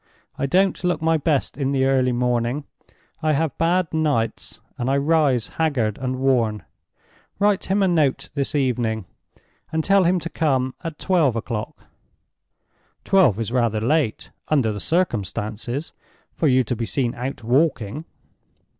I don't look my best in the early morning— I have bad nights, and I rise haggard and worn. Write him a note this evening, and tell him to come at twelve o'clock." "Twelve is rather late, under the circumstances, for you to be seen out walking."